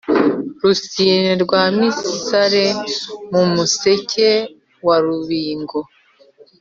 Rusine rw' imisare mu Museke wa Rubingo;